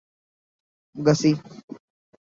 گسی